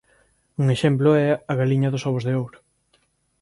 Un exemplo é "A galiña dos ovos de ouro"